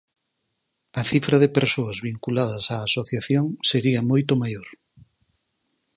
A cifra de persoas vinculadas á asociación sería moito maior.